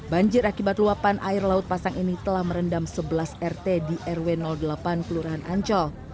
banjir akibat luapan air laut pasang ini telah merendam sebelas rt di rw delapan kelurahan ancol